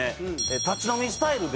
立ち飲みスタイルで。